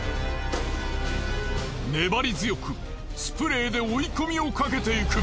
ねばり強くスプレーで追い込みをかけていく。